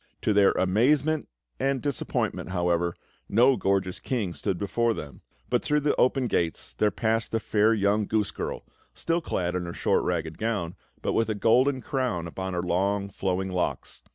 To their amazement and disappointment, however, no gorgeous king stood before them; but through the open gates there passed the fair young goose girl, still clad in her short ragged gown, but with a golden crown upon her long, flowing locks.